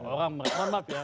orang merambek ya